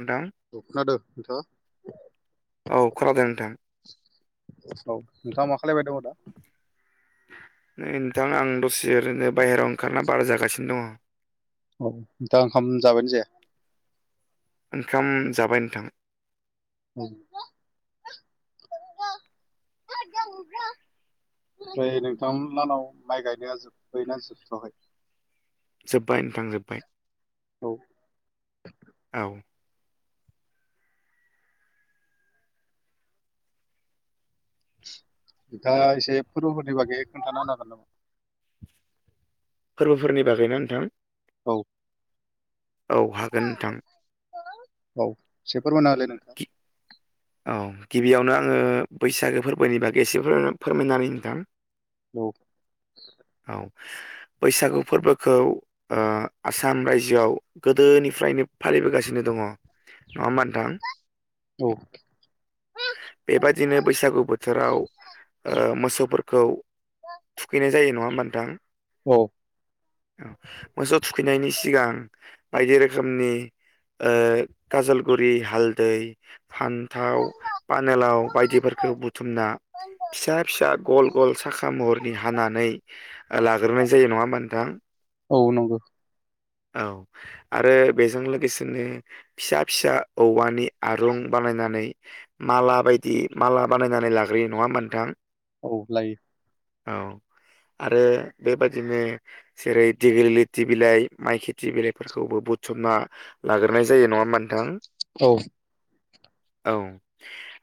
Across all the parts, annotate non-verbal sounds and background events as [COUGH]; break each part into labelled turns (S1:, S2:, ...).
S1: नोंथां।
S2: खोनादो नोंथाङा?
S1: औ खोनादों नोंथां
S2: औ नोंथाङा मा खालायबाय दङ दा?
S1: नै नोंथां आं दसे ओरैनो बायहेरायाव ओंखारना बारा जागासिनो दङ।
S2: औ नोंथाङा ओंखाम जाबायानो जाया?
S1: ओंखाम जाबाय नोंथां।
S2: [UNINTELLIGIBLE] ओमफ्राय नोंथां लाहानाव माइ गायनाया जोबबायना जोबथ'वाखै?
S1: जोबबाय नोंथां जोबबाय
S2: औ
S1: औ।
S2: दा एसे फोरबोफोरनि बागै खोन्थानो हागोन नामा?
S1: फोरबोफोरनि बागैना नोंथां?
S2: औ।
S1: औ हागोन नोंथां
S2: औ एसे फोरमाना होलै नोंथा?
S1: औ गिबियावनो आङो बैसागो फोरबोनि बागै एसे फोरमायनानै नोंथां
S2: औ।
S1: औ बैसागु फोरबोखौ आसाम रायजोआव गोदोनिफ्रायनो फालिबोगासिनो दङ। नङा होनबा नोंथां?
S2: औ
S1: बे बादिनो बैसागु बोथोराव मोसौफोरखौ थुखैनाय जायो नङा होमबा नोंथां।
S2: औ।
S1: मोसौ थुखैनायनि सिगां बायदि रोखोमनि काजलगुरि हालदै फान्थाव पानेलाव बायदिफोरखौ बुथुमना फिसा फिसा गल गल साखा महरनि हानानै लाग्रोनाय जायो नङा होमबा नोंथां।
S2: औ नंगौ।
S1: औ आरो बेजों लोगोसेनो फिसा फिसा औवानि आरं बानायनानै माला बायदि माला बानायनानै लाग्रोयो नङा नोंथां
S2: औ लायो
S1: औ आरो बेबादिनो जेरै दिग्रि लिरथि बिलाइ माइ खेथि बिलाइफोरखौबो बुत समना लाग्रोनाय जायो नङा होमबा नोंथां।
S2: औ।
S1: औ।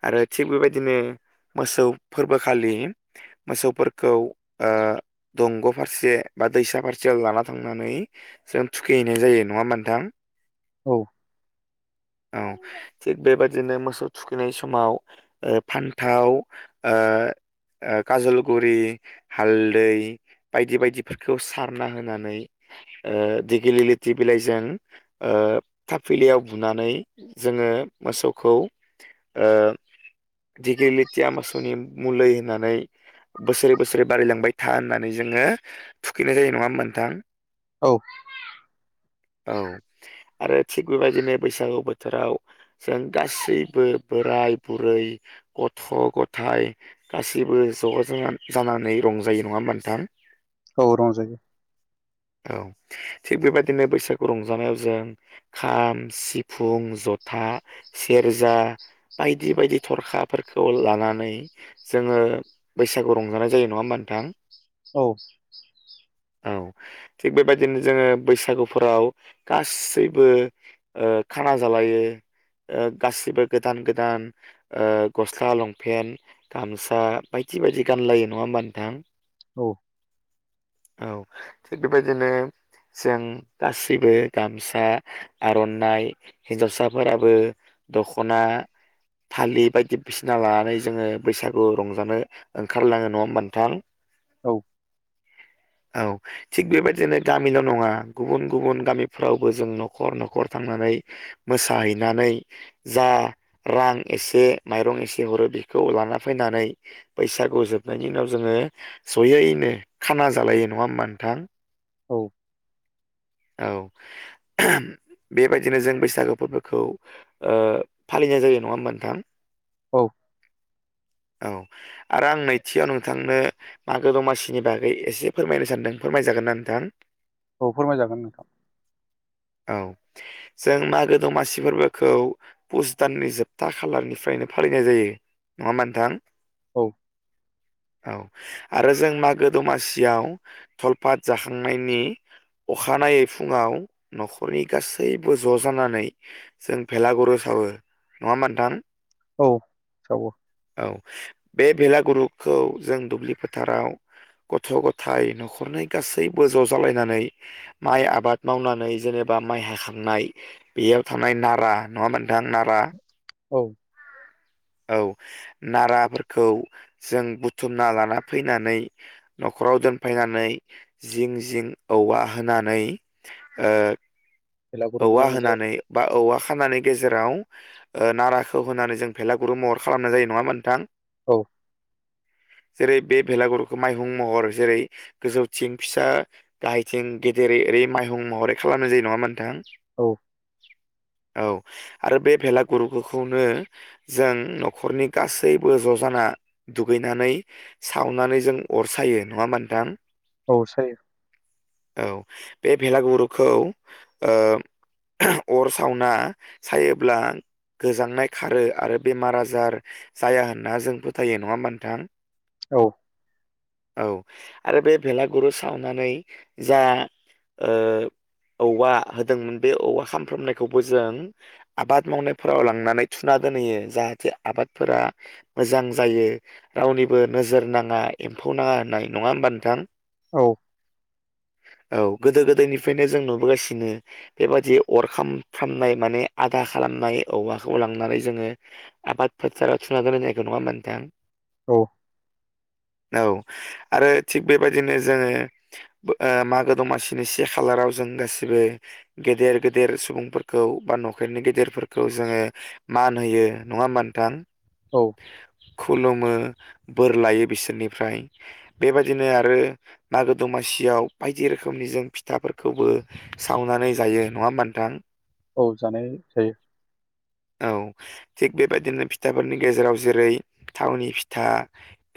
S1: आरो थिग बे बायदिनो मोसौ फोरबोखालि मोसौफोरखौ दंग' फारसे बा दैसा फारसे लाना थांनानै जों थुखैहैनाय जायो नङा होनबा नोंथां
S2: औ
S1: औ थिग बेबादिनो मोसौ थुखैनाय समाव फान्थाव ओ ओ काजलगुरि हालदै बायदि बायदिफोरखौ सारना होनानै दिगिलि लिथि बिलाइजों थाफलियाव बुनानै जोङो मोसौखौ दिगिलिथिया मोसौनि मुलै होननानै बोसोरै बोसोरै बारायलांबाय था होननानै जोङो थुखैनाय जायो नङा होनबा नोंथां
S2: औ
S1: औ आरो थिग बेबायदिनो बैसागु बोथोराव जों गासैबो बोराय बुरै गथ' गथाइ गासिबो ज' ज' जानानै रंजायो नङा होनबा नोंथां
S2: औ रंजायो
S1: औ थिग बेबायदिनो बैसागु रंजानायाव जों खाम सिफुं फुं जथा सेरजा बायदि बायदि थरखाफोरखौ लानानै जोङो बैसागु रंजानाय जायो नङा होमबा नोंथां
S2: औ
S1: औ थिग बेबायदिनो जोङो बैसागुफोराव गासैबो खाना जालायो गासिबो गोदान गोदान ओ गस्ला लंपेन्ट गामसा बायदि बायदि गानलायो नङा होमबा नोंथां
S2: औ
S1: औ थिग बेबायदिनो जों गासिबो गामसा आर'नाइ हिनजावसाफोराबो दख'ना फालि बायदिसिना लानानै जोङो बैसागु रंजानो ओंखारलाङो नङा होनबा नोंथां
S2: औ
S1: औ थिग बेबायदिनो गामिल' नङा गुबुन गुबुन गामिफ्रावबो जों न'खर न'खर थांनानै मोसाहैनानै जा रां एसे माइरं एसे हरो बेखौ लाना फैनानै बैसागु जोबनायनि उनाव जोङो जयैनो खाना जालायो नङा होनबा नोंथां
S2: औ
S1: औ बेबायदिनो जों बैसागो फोरबोखौ ओ फालिनाय जायो नङा होनबा नोंथां
S2: औ
S1: औ आरो आं नैथियाव नोंथांनो मागो दमासिनि बागै एसे फोरमायनो सानदों फोरमायजागोनना नोंथां?
S2: औ फोरमायजागोन नोंथां।
S1: औ जों मागो दमासि फोरबोखौ पुस दाननि जोबथा खालारनिफ्रायनो फालिनाय जायो नङा होनबा नोंथां?
S2: औ!
S1: औ आरो जों मागो दमासियाव थलपात जाखांनायनि अखानायै फुङाव न'खरनि गासैबो ज' जानानै जों भेलागुरु सावो नङा होमबा नोंथां?
S2: औ सावो।
S1: औ बे बेलागुरुखौ जों दुब्लि फोथाराव गथ' गथायाइ न'खरनि गासैबो ज' जालायनानै माइ आबाद मावनानै जेनेबा माइ हाखांनाय बेयाव थानाय नारा नङा नोंथां नारा
S2: औ
S1: औ नाराफोरखौ जों बुथुमना लाना फैनानै न'खराव दोनफैनानै जिं जिं औवा होनानै ओ
S2: बेलागुरु
S1: औवा
S2: बानायनाय जायो
S1: होनानै बा औवा खानानै गेजेराव नाराखौ होनानै जों भेलागुरु महर खालामनाय जायो नङामोन नोंथां?
S2: औ
S1: जेरै बे भेलागुरुखौ माइहुं महर जेरै गोजौथिं फिसा गाहायथिं गेदेरै ओरै माइहुं महरै खालामनाय जायो नङामोन नोंथां?
S2: औ
S1: औ आरो बे भेलागुरुखौनो जों न'खरनि गासैबो ज'जाना दुगैनानै सावनानै जों अर सायो नङा होनबा नोथां?
S2: औ सायो
S1: औ बे भेलागुरुखौ ओ अर सावना सायोब्ला गोजांनाय खारो आरो बेमार आजार जाया होनना जों फोथायो नङा होनबा नोंथां?
S2: औ
S1: औ आरो बे भेलागुरु सावनानै जा- ओ औवा होदोंमोन बे औवा खामफ्रामनायखौबो जों आबाद मावनायफोराव लांनानै थुना दोनहैयो जाहाथे आबादफोरा मोजां जायो रावनिबो नोजोर नाङा एम्फौ नाङा होननाय नङा होमबा नोंथां?
S2: औ
S1: औ गोदो गोदायनिफ्रायनो जों नुबोगासिनो बेबादि अरखामफ्रामनाय माने आदा खालामनाय औवाखौ लांनानै जोङो आबाद फोथाराव थुना दोनहैनायखौ नङा होनबा नोंथां?
S2: औ
S1: औ आरो थिग बेबायदिनो जोङो ओ मागो दमासिनि से खालाराव जों गासिबो गेदेर गेदेर सुबुंफोरखौ बा न'खरनि गेदेरफोरखौ जोङो मान होयो। नङा होमबा नोंथां?
S2: औ
S1: खुलुमो बोर लायो बिसोरनिफ्राय बेबायदिनो आरो मागो दमासियाव बायदि रोखोमनि जों फिथाफोरखौबो सावनानै जायो नङा होनबा नोंथां?
S2: औ जानाय जायो।
S1: औ थिग बेबायदिनो फिथाफोरनि गेजेराव जेरै थावनि फिथा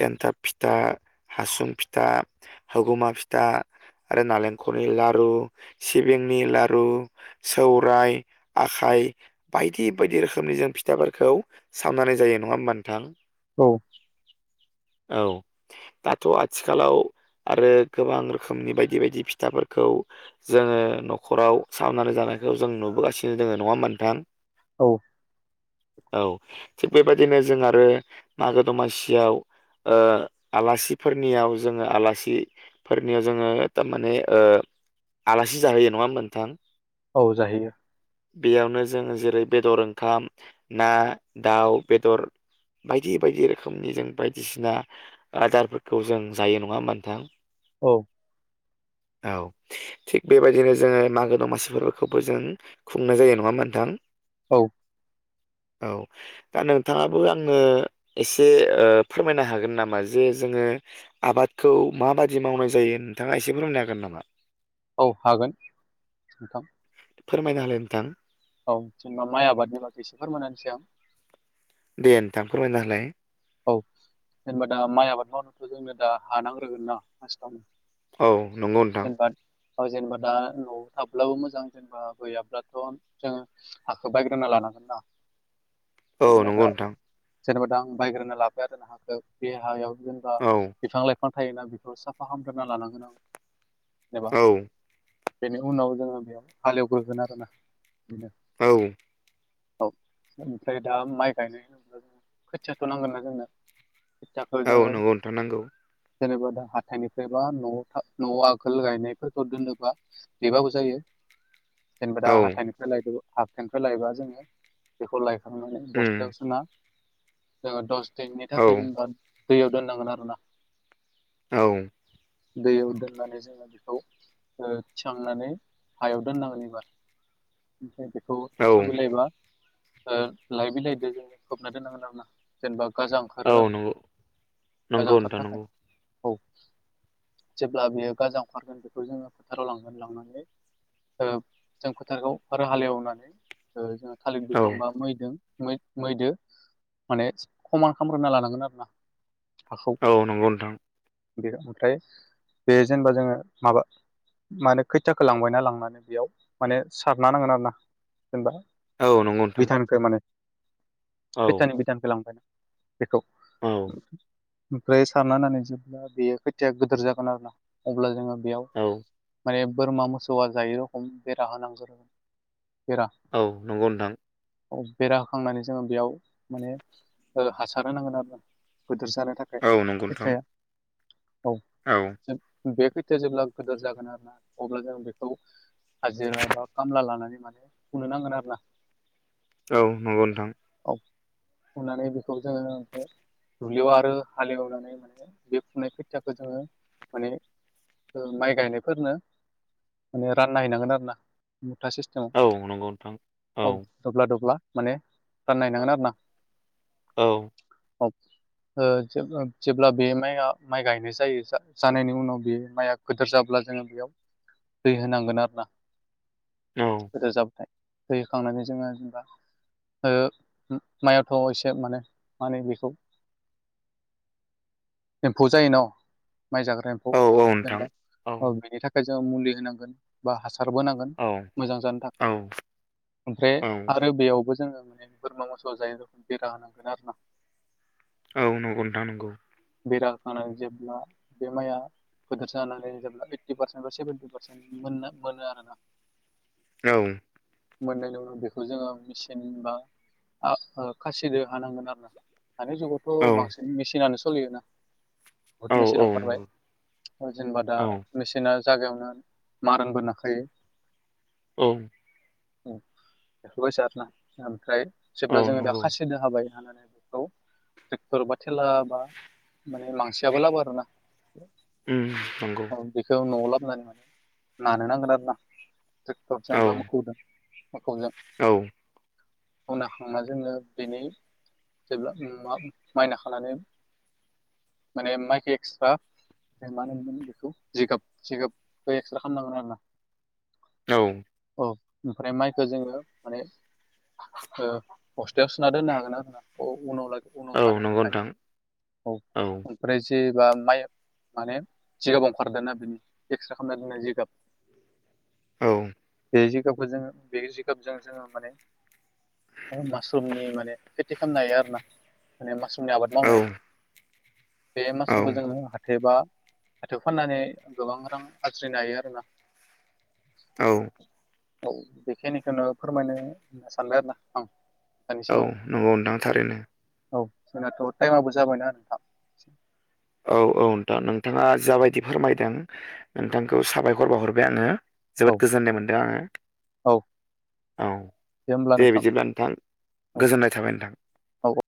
S1: एन्थाब फिथा हासुं फिथा होगुमा फिथा आरो नालेंखरनि लारु सिबिंनि लारु सौराय आखाइ बायदि बायदि रोखोमनि जों फि थाफोरखौ सावनानै जायो नङा होमबा नोंथां?
S2: औ
S1: औ दाथ' आथिखालाव आरो गोबां रोखोमनि बायदि बायदि फिथाफोरखौ जोङो न'खराव सावनानै जानायखौ जों नुबोगासिनो दोङो नङा होम्बा नोंथां?
S2: औ
S1: औ थिग बेबायदिनो जों आरो मागो दमासियाव ओ आलासिफोरनियाव जोङो आलासि फोरनियाव जोङो टारमाने ओ आलासि जाहैयो नङा होम्बा नोंथां?
S2: औ जाहियो।
S1: बेयावनो जों जेरै बेदर ओंखाम ना दाउ बेदर बायदि बायदि रोखोमनि जों बायदिसिना आदारफोरखौ जों जायो नङा होम्बा नोंथां?
S2: औ
S1: औ थिग बेबायदिनो जोङो मागो दमासि फोरबोखौबो जों खुंनाय जायो नङा होम्बा नोंथां?
S2: औ
S1: औ दा नोंथाङाबो आनो एसे ओ फोरमायनो हागोन नामा जे जोङो आबादखौ माबादि मावनाय जायो नोंथाङा एसे फोरोंनो हागोन नामा?
S2: औ हागोन नोंथां
S1: फोरमायना होलाय नोंथां
S2: औ जेनेबा माइ आबादनि बागै एसे फोरमायना होनोसै आं
S1: दे नोंथां फोरमायना होलाय
S2: औ जेनेबा दा माइ आबाद मावनोथ' जोंनो दा हा नांग्रोगोन ना फास्टावनो
S1: औ नंगौ नोंथां।
S2: ओ जेनेबा दा न'आव थाब्लाबो मोजां जेनेबा गैयाब्लाथ' जोङो हाखौ बायग्रोना लानांगोन ना
S1: औ
S2: जेनेबा
S1: नंगौ
S2: दा
S1: नोंथां
S2: जेनेबा दां बायग्रोना लाबबाय आरो ना हाखौ बे हायाव जेनेबा
S1: औ
S2: बिफां लाइफां थायोना बेखौ साफा खालामग्रोना लानांगोन आं एबा
S1: औ
S2: बेनि उनाव जोङो बेयाव हाल एवग्रोगोन आरोना बेनो
S1: औ
S2: औ ओमफ्राय दा माइ गायनाय होनब्ला जों खुथियाखौ नांगोन ना जोंनो खुथियाखौ जोङो
S1: नंगौ नोंथां नांगौ
S2: जेनेबा दा हाथायनिफ्राय बा न'आव था न'आव आगोल गायनायफोरखौ दोननोबा बेबाबो जायो जेनेबा दा
S1: औ
S2: हाथायनिफ्राय लायदों हाथायनिफ्राय लायबा जोङो बेखौ लायखांनानै
S1: उम
S2: बस्थायाव सोना ओ दस दिननि
S1: औ
S2: थाखाय जेनबा दैयाव दोननांगोन आरोना
S1: औ
S2: दैयाव दोननानै जोङो बेखौ ओ थिखांनानै हायाव दोननांगोन इबार ओमफ्राय बेखौ थास' बिलायबा ओ लाय बिलायदो जोङो खोबना दोननांगोन आरोना जेनेबा गाजा ओंखारो
S1: औ
S2: आरोना
S1: नंगौ
S2: गाजा
S1: नंगौ
S2: ओंखारनो
S1: नोंथां
S2: थाखाय
S1: नंगौ
S2: औ जेब्ला बियो गाजा ओंखारगोन बेखौ जोङो फोथाराव लांगोन लांनानै ओ जों फोथारखौ आरो हाल एवनानै ओ जोङो थालिर
S1: औ
S2: बिफांबा मैदों मै-मैजो माने खमान खामग्रोना लानांगोन आरो ना हाखौ
S1: औ नंगौ नोंथां।
S2: बे ओमफ्राय बे जेनेबा जोङो माबा मानो खोथियाखो लांबायना लांनानै बेयाव माने सारना होनांगोन आरोना जेनेबा
S1: औ नंगौ नोंथां
S2: बिधानखो माने
S1: औ
S2: खैथानि बिधानखौलांबाय ना बेखौ
S1: औ
S2: ओमफ्राय सारना होनानै जेब्ला बेयो खोथाया गोदोर जागोन आरोना अब्ला जोङो बेयाव
S1: औ
S2: माने बोरमा मोसौआ जायै रखम बेरा होनांगोरो बेरा
S1: औ नंगौ नोंथां
S2: औ बेरा होखांनानै जोङो बेयाव माने ओ हासार होनांगोन आरोना गोदोर जानो थाखाय
S1: औ नंगौ नोंथां
S2: खोथाया औ।
S1: औ।
S2: [UNINTELLIGIBLE] बे खोथिया जेब्ला गोदोर जागोन आरोना अब्ला जों बेखौ हाजिरा बा कामला लानानै माने फुनो नांगोन आरोना।
S1: औ नंगौ नोंथां।
S2: औ। फुनानै बेखौ जोङो ओमफाय दुब्लियाव आरो हालेवनानै माने बे फुनाय खोथियाखौ जोङो माने ओ माइ गायनायफोरनो माने रानना हैनांगोन आरो ना मुथा सिस
S1: औ नंगौ नोंथां औ।
S2: दब्ला दब्ला माने रानना हैनांगोन आरोना।
S1: औ।
S2: औ। ओ जेबो ओ जेब्ला बे माइआ माइ गायनाय जायो जा जानायनि उनाव बे माइआ गोदोर जाब्ला जोङो बेयाव दै होनांगोन आरोना।
S1: औ।
S2: रोजाबथाय हैखांनानै जोङो जेनबा ओ उम मायाथ' एसेब माने मा होनो बेखौ एम्फौ जायो न' माइ जाग्रा एम खौ
S1: औ नोंथां
S2: जेनेबा
S1: औ
S2: ओ बेनि थाखाय जों मुलि होनांगोन बा हासारबो नांगोन
S1: औ
S2: मोजां जानो
S1: औ
S2: थाखाय ओमफ्राय
S1: औ
S2: आरो बेयावबो जोङो माने बोरमा मोसौ जायै रखम बेरा होनांगोन आरोना।
S1: औ नंगौ नोंथां नंगौ।
S2: बेरा होखांनानै जेब्ला बे माइया गोदोर जानानै जेब्ला ओइटि पार्सेन्ट बा सेबेन्टि पारसेन्ट मोननो मोनो आरोना।
S1: औ।
S2: मोननायनि उनाव बेखौ जोङो मेसिन बा आ ओ खासिदो हानांगोन आरोना। दानि
S1: औ
S2: जुगावथ' बांसिन मेसिनानो सलियोना बुहुद
S1: औ औ
S2: मेचिन अंखारबाय
S1: नंगौ
S2: ओ जेनेबा दा
S1: औ
S2: मेसिना जागायावनो मारानबो नाखायो
S1: औ।
S2: [UNINTELLIGIBLE] ओमफ्राय
S1: औ
S2: जेब्ला जोङो दा
S1: नंगौ
S2: खासिदो हाबाय हानानै बेखौ ट्रेक्टर बा थेला बा माने मांसियाबो लाबो आरोना।
S1: उम नंगौ।
S2: उम बेखौ न'आव लाबनानै माने नानो नांगोन आरो ना
S1: औ
S2: ट्रेक्टरजों बा मोखौदों मोखौजों
S1: औ।
S2: खौ नाखांना जोङो बेनि जेब्ला मा माइ नाखानानै माने माइखो एक्सट्रा जों मा होनोमोन बेखौ जिगाब जिगाबखो एक्सट्रा खामनांगोन आरोना।
S1: औ
S2: औ ओमफ्राय माइखौ जोङो माने हस्टेलाव सोना दोननो हागोन ना होनना उनाव लागै उनाव
S1: औ
S2: जानो
S1: नंगौ
S2: थाखाय
S1: नोंथां
S2: औ ओमफ्राय जेबा माइ माने जिगाब ओंखारदों ना बिनि एक्सरे खालामना दोनना जिगाब [UNINTELLIGIBLE]
S1: औ
S2: बे जिगाबखो जोङो बे जिगाबजों जोङो माने ओ मासरुमनि माने खेति खामनो हायो आरोना माने मास नि आबाद
S1: औ
S2: मावनो हायो बे मासुमखौ जों मावनो हाथ हाथेबा हाथो फाननानै गोबां रां आरज्रिनो हायो आरोोना
S1: औ
S2: औ बेखिनिखौनो फोरमायनो होन सानदों आरो ना
S1: औ नंगौ नथांथारैनो
S2: औ जोंनाथ' टाइमाबबो जाबायना नोंथां
S1: औ औ नोंथ' नोंथाङा जाबायदि फोरमायदों नोंथांखौ साबायखर बाहरबाय आङो
S2: औ
S1: जोबोद गोजोननाय मोनदों आङो
S2: औ
S1: औ दे बिदिब्ला नोंथां
S2: औ
S1: गोजोननाय थाबाय नोंथां
S2: औ